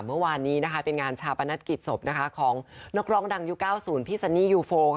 เมื่อวานนี้เป็นงานชาปนกิจศพของนักร้องดังยุค๙๐พี่ซันนี่ยูโฟ